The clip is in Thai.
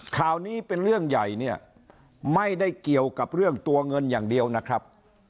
ข่าวนี้เป็นเรื่องใหญ่เนี่ยไม่ได้เกี่ยวกับเรื่องตัวเงินอย่างเดียวนะครับ